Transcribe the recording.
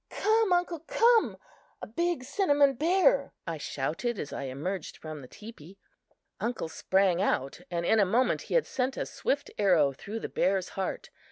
"Come, uncle, come! A big cinnamon bear!" I shouted as I emerged from the teepee. Uncle sprang out and in a moment he had sent a swift arrow through the bear's heart.